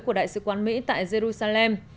của đại sứ quán mỹ tại jerusalem